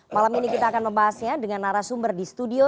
malam ini kita akan membahasnya dengan narasumber di studio